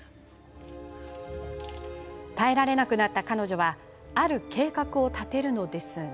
耐えられなくなった彼女はある計画を立てるのですが。